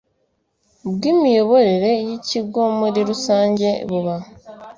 bw imiyoborere y ikigo muri rusange buba